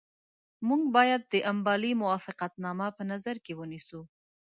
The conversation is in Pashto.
موږ باید د امبالې موافقتنامه په نظر کې ونیسو.